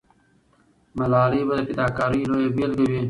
ملالۍ به د فداکارۍ لویه بیلګه وي.